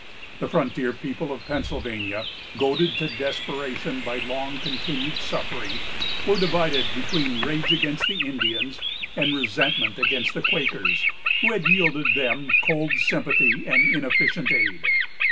The frontier people of Pennsylvania, goaded to desperation by long continued suffering, were divided between rage against the Indians, and resentment against the Quakers, who had yielded them cold sympathy and inefficient aid.